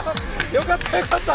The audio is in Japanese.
よかったよかった。